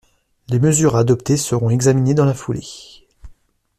Les mesures à adopter seront examinées dans la foulée.